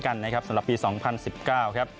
ด้วยเช่นกันนะครับสำหรับปีสองพันสิบเก้าครับ